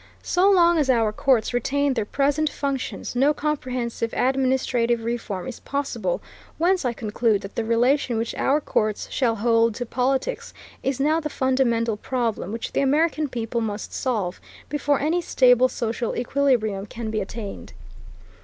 So long as our courts retain their present functions no comprehensive administrative reform is possible, whence I conclude that the relation which our courts shall hold to politics is now the fundamental problem which the American people must solve, before any stable social equilibrium can be attained.